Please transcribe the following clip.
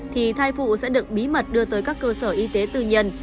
thì thai phụ sẽ được bí mật đưa tới các cơ sở y tế tư nhân